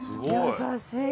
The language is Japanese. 優しい。